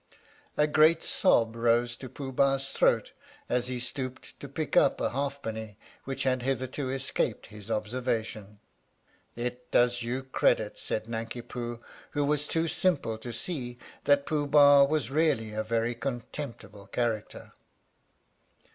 " A great sob rose to Pooh Bah's throat as he stooped to pick up a halfpenny, which had hitherto escaped his observation. " It does you credit," said Nanki Poo, who was too simple to see that Pooh Bah was really a very contemptible character.